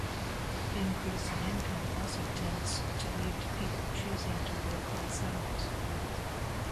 Increase in income also tends to lead to people choosing to work less hours.